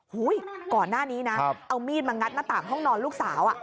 ก่อนหน้านี้นะเอามีดมางัดหน้าต่างห้องนอนลูกสาว